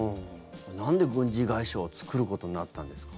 なんで軍事会社を作ることになったんですか？